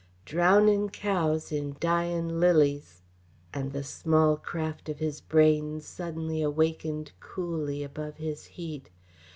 Drownin' cows in dyin' lilies " And the small craft of his brain suddenly awakened coolly above his heat.